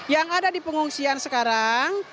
yang ada di pengungsian sekarang